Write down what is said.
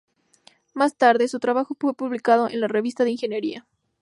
Más tarde, su trabajo fue publicado en "La Revista de Ingeniería.